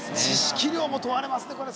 知識量も問われますね